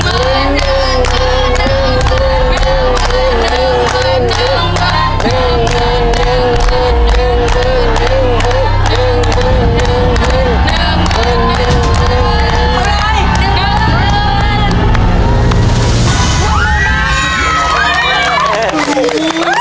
เท่าไหร่